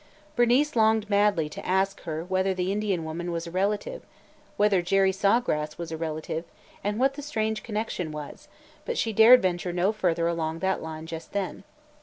Bernice longed madly to ask her whether the Indian woman was a relative, whether Jerry Saw Grass was a relative, what the strange connection was; but she dared venture no further along that line just then.